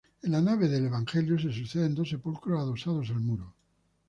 En la nave del Evangelio se suceden dos sepulcros adosados al muro.